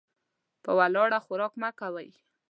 په ولاړه خوراک مه کوه .